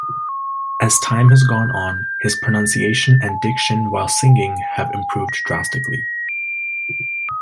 As time has gone on, his pronunciation and diction while singing have improved drastically.